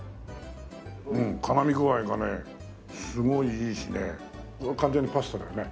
うん絡み具合がねすごいいいしね完全にパスタだよね。